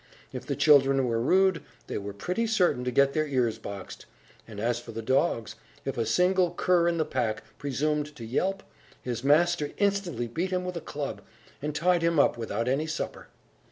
If the children were rude, they were pretty certain to get their ears boxed; and as for the dogs, if a single cur in the pack presumed to yelp, his master instantly beat him with a club, and tied him up without any supper.